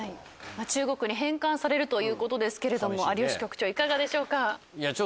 中国に返還されるということですけれども有吉局長いかがでしょうか？